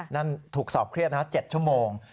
นั่นถูกสอบเครียดนะ๗ชั่วโมง